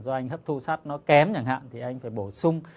do anh hấp thu sát nó kém chẳng hạn thì anh phải bổ sung